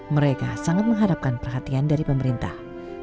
mereka sangat mengharapkan perhatian dari pemerintah